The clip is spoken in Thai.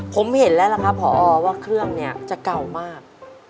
ผมเห็นแล้วล่ะครับผอว่าเครื่องเนี่ยจะเก่ามาก